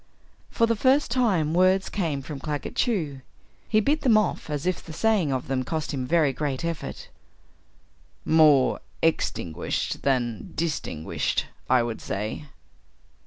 For the first time words came from Claggett Chew. He bit them off as if the saying of them cost him very great effort. "More _ex_tinguished than _dis_tinguished, I would say."